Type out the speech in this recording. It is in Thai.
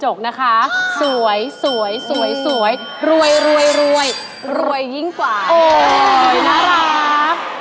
โอ๊ยน่ารัก